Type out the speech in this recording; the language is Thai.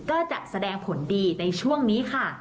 ก็จะแสดงผลดีในช่วงนี้ค่ะ